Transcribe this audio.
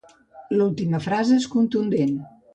L'última frase és contundent.